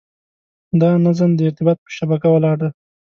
دا نظم د ارتباط په شبکه ولاړ دی.